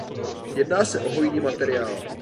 Jedná se o hojný minerál.